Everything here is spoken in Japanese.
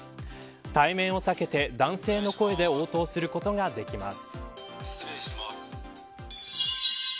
対面を避けて男性の声で応答することができます。